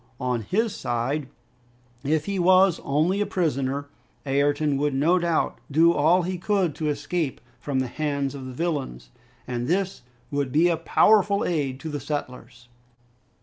On his side, if he was only a prisoner, Ayrton would no doubt do all he could to escape from the hands of the villains, and this would be a powerful aid to the settlers!